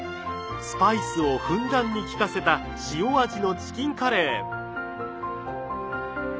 スパイスをふんだんに利かせた塩味のチキンカレー。